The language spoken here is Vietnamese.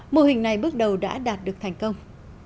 mô hình này bước đầu đã đạt được thành công